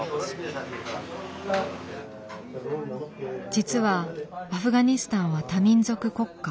実はアフガニスタンは多民族国家。